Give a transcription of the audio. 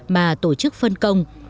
mà tổ chức phân công